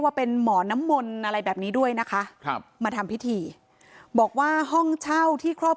เขาบอกมาให้มาปกป้องรักษาครับ